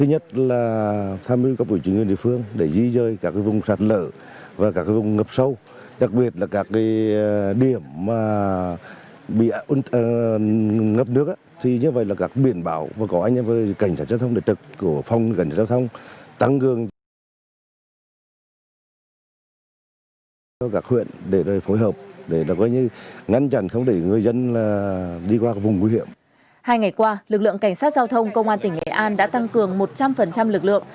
hai ngày qua lực lượng cảnh sát giao thông công an tỉnh nghệ an đã tăng cường một trăm linh lực lượng